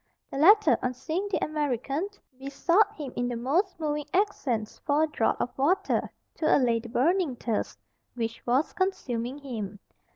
The latter, on seeing the American, besought him in the most moving accents for a draught of water to allay the burning thirst which was consuming him.